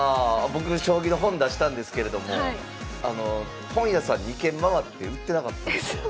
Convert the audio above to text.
僕将棋の本出したんですけれども本屋さん２軒回って売ってなかったんですよ。